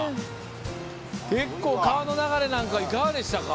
結構、川の流れなんかいかがでしたか？